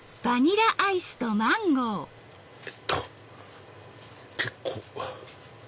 えっと結構。